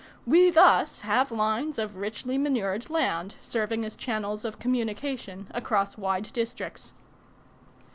We thus have lines of richly manured land serving as channels of communication across wide districts.